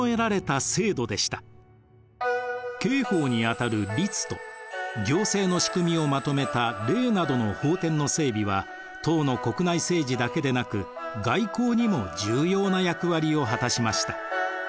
刑法に当たる「律」と行政の仕組みをまとめた「令」などの法典の整備は唐の国内政治だけでなく外交にも重要な役割を果たしました。